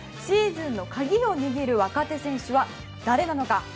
シーズンの鍵を握る若手選手は誰なのか。